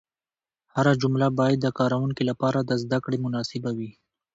هره جمله باید د کاروونکي لپاره د زده کړې مناسب وي.